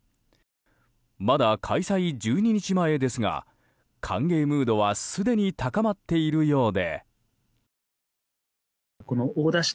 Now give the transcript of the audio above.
まだ開催１２日前ですが歓迎ムードはすでに高まっているようで。